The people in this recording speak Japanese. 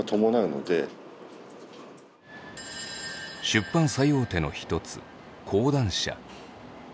出版最大手の一つ「講談社」。